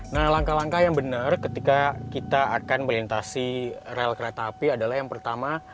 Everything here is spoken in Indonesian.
nah langkah langkah yang benar ketika kita akan melintasi rel kereta api adalah yang pertama